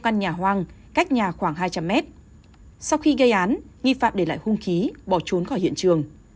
khi gây án nghi phạm để lại hung khí bỏ trốn khỏi hiện trường